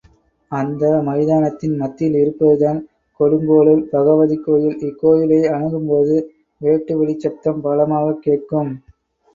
அந்த மைதானத்தின் மத்தியில் இருப்பதுதான் கொடுங்கோளூர் பகவதி கோயில் இக்கோயிலை அணுகும்போது வேட்டு வெடிச் சப்தம் பலமாகக் கேட்கும்.